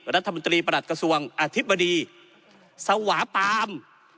รัฐมนตรีประหลัดกระทรวงอธิบดีสวาปาม